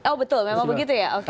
oh betul memang begitu ya oke